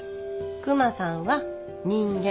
クマさんは人間。